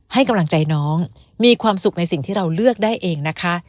ให้กำลังใจน้องมีความสุขในสิ่งที่เราเลือกได้เองนะคะ